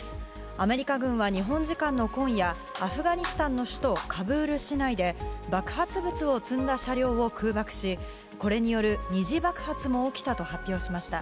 アメリカ軍は日本時間の今夜アフガニスタンの首都カブール市内で爆発物を積んだ車両を空爆しこれによる二次爆発も起きたと発表しました。